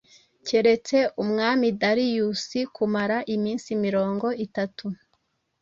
keretse umwami Dariyusi, kumara iminsi mirongo itatu,